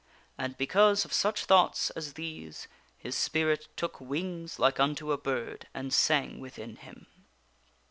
And because of such thoughts as these, his spirit took wings like unto a bird and sang within him.